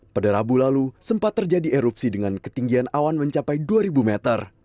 pada rabu lalu sempat terjadi erupsi dengan ketinggian awan mencapai dua ribu meter